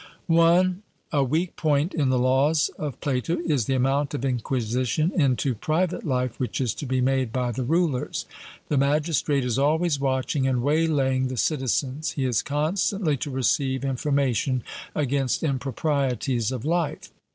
I. A weak point in the Laws of Plato is the amount of inquisition into private life which is to be made by the rulers. The magistrate is always watching and waylaying the citizens. He is constantly to receive information against improprieties of life.